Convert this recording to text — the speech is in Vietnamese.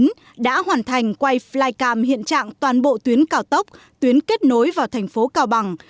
năm hai nghìn một mươi chín đã hoàn thành quay flycam hiện trạng toàn bộ tuyến cao tốc tuyến kết nối vào thành phố cao bằng